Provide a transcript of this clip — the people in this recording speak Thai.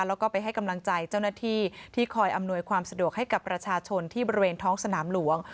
แล้วก็ไปให้กำลังใจเจ้าหน้าที่ที่คอยอำนวยความสะดวกให้กับประชาชนที่บริเวณท้องสนามหลวง